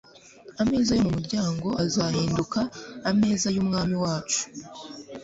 Ameza yo mu muryango azahinduka ameza y'Umwami wacu,